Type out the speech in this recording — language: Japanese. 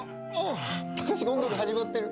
隆子音楽始まってる。